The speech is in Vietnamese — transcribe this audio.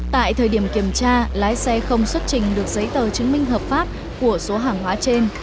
tại thời điểm kiểm tra lái xe không xuất trình được giấy tờ chứng minh hợp pháp của số hàng hóa trên